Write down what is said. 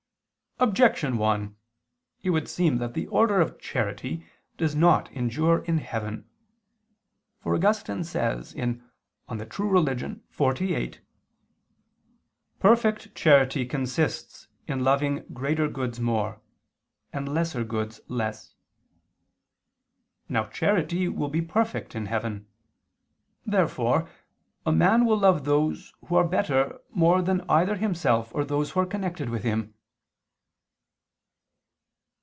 Objection 1: It would seem that the order of charity does not endure in heaven. For Augustine says (De Vera Relig. xlviii): "Perfect charity consists in loving greater goods more, and lesser goods less." Now charity will be perfect in heaven. Therefore a man will love those who are better more than either himself or those who are connected with him.